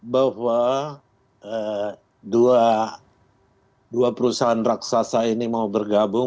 bahwa dua perusahaan raksasa ini mau bergabung